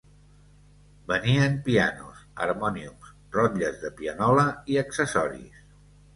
Venien pianos, harmòniums, rotlles de pianola i accessoris.